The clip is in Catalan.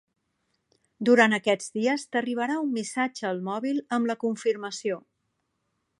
Durant aquests dies t'arribarà un missatge al mòbil amb la confirmació.